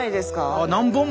あ何本も。